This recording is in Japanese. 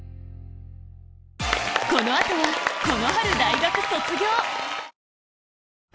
この後はこの春大学卒業！